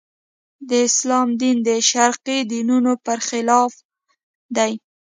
د اسلام دین د شرقي دینونو برخلاف دی.